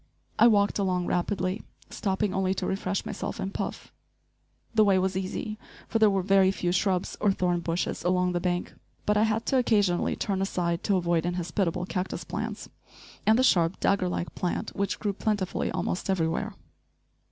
I walked along rapidly, stopping only to refresh myself and Puff. The way was easy, for there were very few shrubs or thorn bushes along the bank. But I had to occasionally turn aside to avoid inhospitable cactus plants, and the sharp, dagger like plant which grew plentifully almost everywhere.